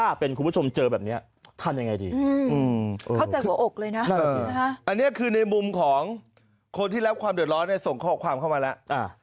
อันนี้คือในมุมของคนที่รับความเดือดร้อนส่งข้อความเข้ามาแล้ว